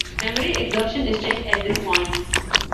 Memory exhaustion is checked at this point.